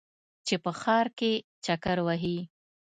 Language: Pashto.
چې په ښار کې چکر وهې.